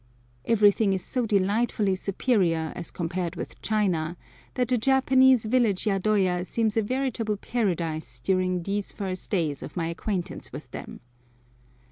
Everything is so delightfully superior, as compared with China, that the Japanese village yadoya seems a veritable paradise during these first days of my acquaintance with them.